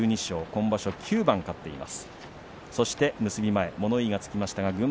今場所は９番勝っています。